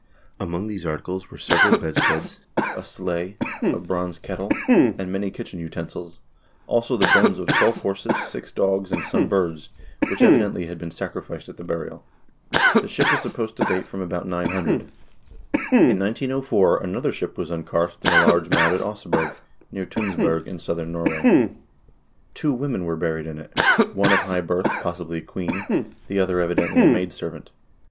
Among these articles were : several bedsteads, a sleigh, a bronze kettle, and many kitchen utensils ; also the bones of twelve horses, six dogs, and some birds, which, evidently, had been sacrificed at the burial. The ship is supposed to date from about 900.1 In 1904 another ship was unearthed in a large mound at Oseberg, near Tunsberg, in southern Norway. Two women were buried in it ; one of high birth — possibly a queen — the other evidently a maid servant.